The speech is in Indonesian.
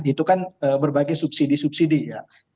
itu kan berbagai subsidi subsidi ya